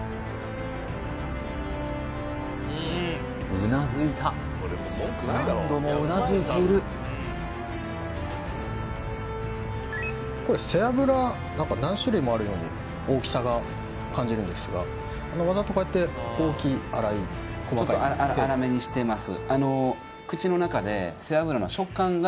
うなずいた何度もうなずいているこれ背脂何か何種類もあるように大きさが感じるんですがわざとこうやって大きい粗い細かくてちょっとスープは何時間取られます？